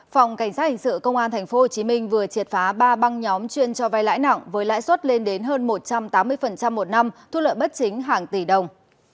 phòng cảnh sát hình sự công an tp hcm vừa triệt phá ba băng nhóm chuyên cho vay lãi nặng với lãi suất lên đến hơn một trăm tám mươi một năm thu lợi bất chính hàng tỷ đồng